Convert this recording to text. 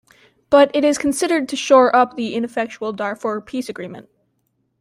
But it is considered to shore up the ineffectual Darfur Peace Agreement.